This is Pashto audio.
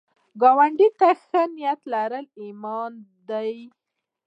ګاونډي ته ښه نیت لرل ایمان ده